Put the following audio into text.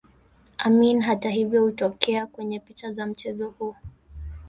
Amin hatahivyo hakutokea kwenye picha za mchezo huo